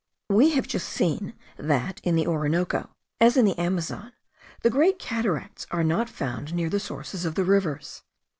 We have just seen that, in the Orinoco, as in the Amazon, the great cataracts are not found near the sources of the rivers.